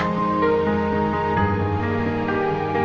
an untuk anda